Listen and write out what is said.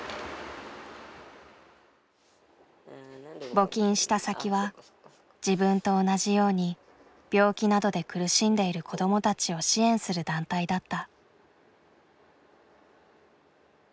募金した先は自分と同じように病気などで苦しんでいる子供たちを支援する団体だった。